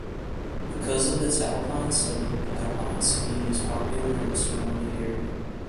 Because of its alpine setting, alpine skiing is popular in the surrounding area.